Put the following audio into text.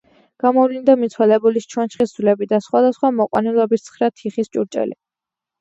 გამოვლინდა მიცვალებულის ჩონჩხის ძვლები და სხვადასხვა მოყვანილობის ცხრა თიხის ჭურჭელი.